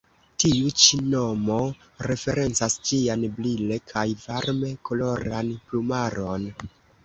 Tiu ĉi nomo referencas ĝian brile kaj varme koloran plumaron.